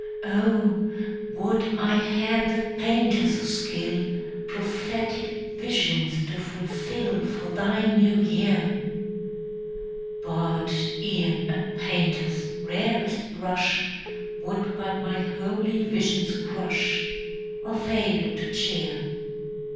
Oh, would I had the painter's skill Prophetic visions to fulfill For thy new year; But e'en a painter's rarest brush Would but my holy visions crush, Or fail to cheer.